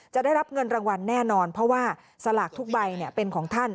ได้รับเงินรางวัลแน่นอนเพราะว่าสลากทุกใบเป็นของท่าน